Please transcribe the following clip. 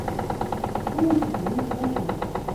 Punkuta wichqashun.